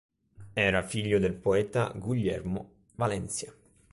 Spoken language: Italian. Era figlio del poeta Guillermo Valencia.